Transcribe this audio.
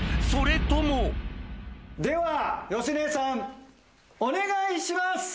それともでは芳根さんお願いします。